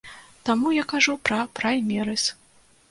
Таму я кажу пра праймерыз.